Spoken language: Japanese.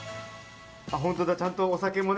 本当だ、ちゃんとお酒もね。